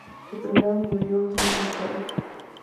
Se traslada a Nueva York dos años más tarde.